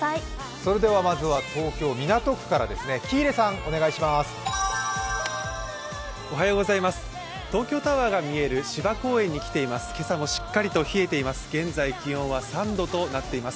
それではまずは東京・港区から、喜入さんお願いします。